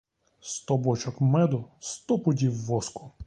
Сто бочок меду, сто пудів воску!